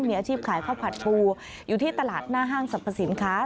มีอาชีพขายข้าวผัดปูอยู่ที่ตลาดหน้าห้างสรรพสินค้า